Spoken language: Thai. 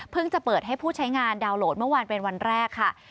จะเปิดให้ผู้ใช้งานดาวน์โหลดเมื่อวานเป็นวันแรกค่ะ